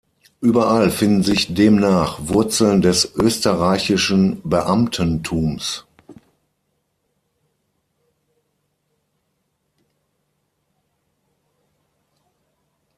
Überall finden sich demnach Wurzeln des österreichischen Beamtentums.